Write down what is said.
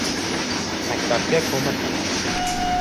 Maktabga ko‘mir keldi.